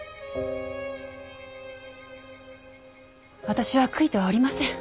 私は悔いてはおりません。